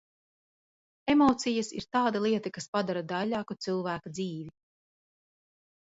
Emocijas ir tāda lieta, kas padara daiļāku cilvēka dzīvi.